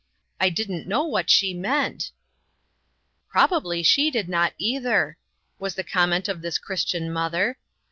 I didn't know what she meant." " Probably she did not either," was the comment of this Christian mother.